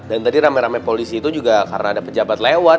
dan tadi rame rame polisi itu juga karena ada pejabat lewat